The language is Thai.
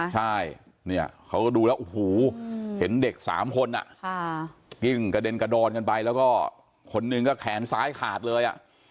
ใช่เขาก็ดูแล้วอูหูเห็นเด็กสามคนอ่ะกิ้งกระเด็นกระดอนกันไปแล้วก็คนหนึ่งก็แขนซ้ายขาดเลยอ่ะ